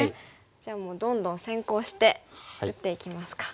じゃあもうどんどん先行して打っていきますか。